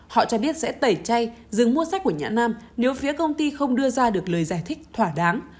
họ cho biết sẽ tẩy chay dừng mua sách của nhã nam nếu phía công ty không đưa ra được lời giải thích thỏa đáng